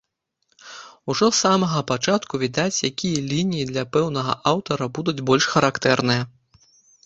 Ужо з самага пачатку відаць, якія лініі для пэўнага аўтара будуць больш характэрныя.